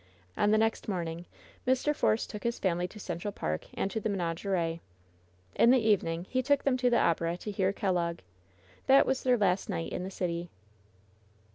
On the next morning Mr. Force took his family to Central Park and to the menagerie. In the evening he took them to the opera to hear Kel logg. That was their last night in the city.